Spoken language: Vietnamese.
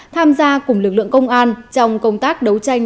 tham gia cùng lực lượng công an trong công tác đấu tranh